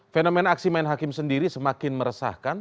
fenomena aksi main hakim sendiri semakin meresahkan